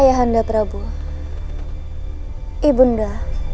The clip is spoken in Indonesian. ayah anda prabowo ibunda